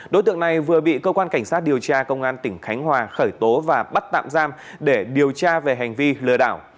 đối tượng này vừa bị cơ quan cảnh sát điều tra công an tỉnh khánh hòa khởi tố và bắt tạm giam để điều tra về hành vi lừa đảo